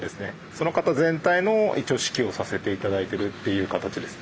その方全体の一応指揮をさせて頂いてるっていう形ですね。